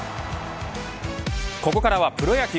ここからはプロ野球。